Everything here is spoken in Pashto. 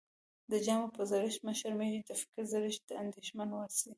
د جامو په زړښت مه شرمېږٸ، د فکر زړښت ته انديښمن سې.